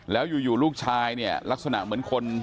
แล้วอยู่ลูกชายเนี่ยลักษณะเหมือนคน